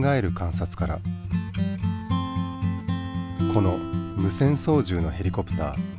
この無線そうじゅうのヘリコプター。